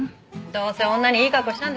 どうせ女にいいカッコしたんでしょ？